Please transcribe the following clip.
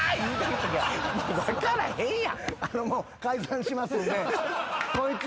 分からへんやん。